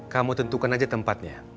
kamu tentukan aja tempatnya